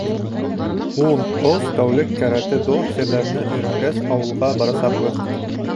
Ун ос тәүлек каратэ-до серҙәренә өйрәнгәс, ауылға барасаҡбыҙ.